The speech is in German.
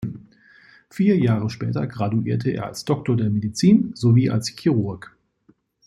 Vier Jahre später graduierte er als Doktor der Medizin sowie als Chirurg.